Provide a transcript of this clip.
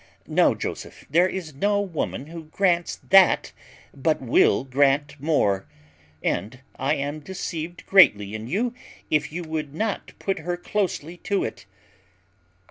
No, Joseph, there is no woman who grants that but will grant more; and I am deceived greatly in you if you would not put her closely to it.